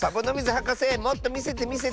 はかせもっとみせてみせて。